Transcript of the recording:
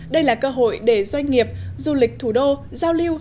đây là cơ hội để doanh nghiệp du lịch thủ đô giao lưu